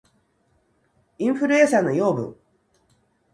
インフルエンサーの養分